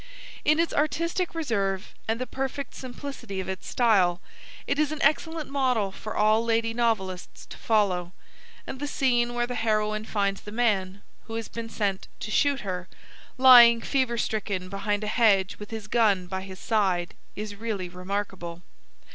In its artistic reserve, and the perfect simplicity of its style, it is an excellent model for all lady novelists to follow, and the scene where the heroine finds the man, who has been sent to shoot her, lying fever stricken behind a hedge with his gun by his side, is really remarkable.